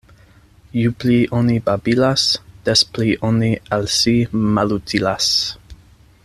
Ju pli oni babilas, des pli oni al si malutilas.